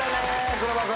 黒羽君。